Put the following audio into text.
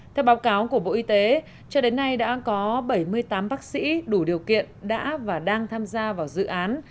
theo báo cáo của bộ y tế cho đến nay đã có bảy mươi tám bác sĩ đủ điều kiện đã và đang tham gia vào dự án